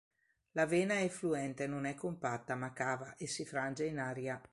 La vena effluente non è compatta ma cava e si frange in aria.